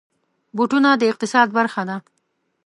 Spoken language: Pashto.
بوټونه د اقتصاد برخه ده.